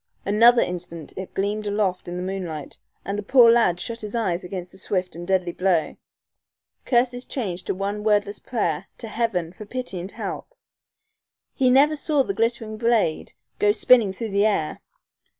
Another instant it gleamed aloft in the moonlight, and the poor lad shut his eyes against the swift and deadly blow. Curses changed to one wordless prayer to heaven for pity and help. He never saw the glittering blade go spinning through the air.